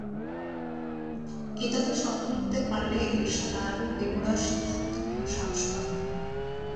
এটাতে সফল হতে পারলে এরশাদ আরও বেপরোয়া সিদ্ধান্ত নেওয়ার সাহস পাবেন।